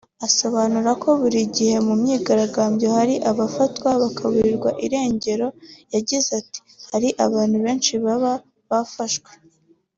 Asobanura ko buri gihe mu myigaragambyo hari abafatwa bakaburirwa irengeroYagize ati”Hari abantu benshi baba bafashwe